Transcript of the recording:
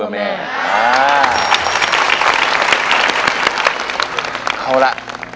เอาล่ะ